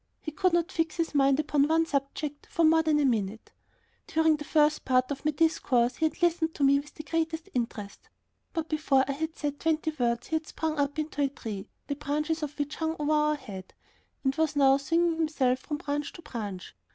He could not fix his mind upon one subject for more than a minute. During the first part of my discourse he had listened to me with the greatest interest, but before I had said twenty words, he had sprung up into a tree, the branches of which hung over our heads, and was now swinging himself from branch to branch.